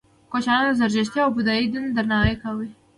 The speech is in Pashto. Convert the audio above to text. کوشانیانو د زردشتي او بودايي دین درناوی کاوه